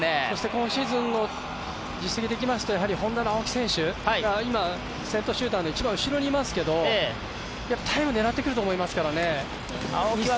今シーズンの実績でいきますとＨｏｎｄａの青木選手が先頭集団の後ろにいますけどもタイム狙ってくると思いますから。